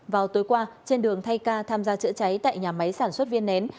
vào tối qua trên đường thay ca tham gia chữa cháy tại nhà máy sản xuất viên nén